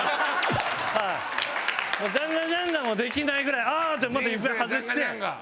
もうジャンガジャンガもできないぐらい「ああ！」ってまた指輪外して。